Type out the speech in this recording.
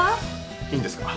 いいんですか？